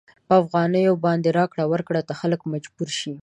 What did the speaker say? په افغانیو باندې راکړې ورکړې ته خلک مجبور شي.